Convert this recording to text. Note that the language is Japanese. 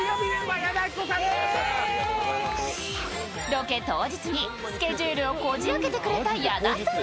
ロケ当日にスケジュールをこじ開けてくれた矢田さん。